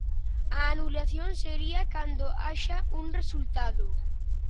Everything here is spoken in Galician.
A anulación sería cando haxa un resultado.